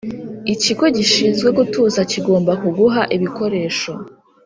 Ikigo gishinzwe gutuza kigomba kuguha ibikoresho